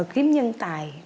kiếm nhân tài